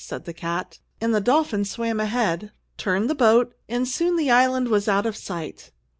said the cat; and the dolphin swam ahead, turned the boat, and soon the island was out of sight.